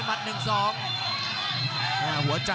คมทุกลูกจริงครับโอ้โห